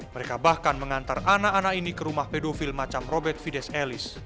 mereka bahkan mengantar anak anak ini ke rumah pedofil macam robert fides elis